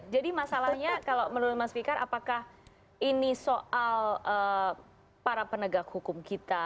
jadi masalahnya kalau menurut mas fikar apakah ini soal para penegak hukum kita